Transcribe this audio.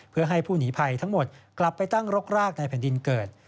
เพื่อให้ผู้หนีภัยทั้งหมดกลับไปตั้งรกรากในแผ่นดินเกิด